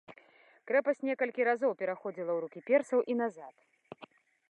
Крэпасць некалькі разоў пераходзіла ў рукі персаў і назад.